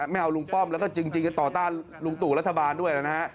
ไม่เอาลุงป้อมแล้วก็จริงจะต่อต้านลุงตู่รัฐบาลด้วยนะฮะ